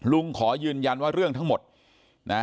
ลุงขอยืนยันว่าเรื่องทั้งหมดนะ